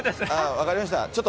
分かりました。